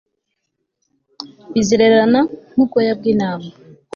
bizererana nk'ubwoya bw'intama